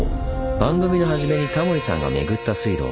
番組の初めにタモリさんが巡った水路。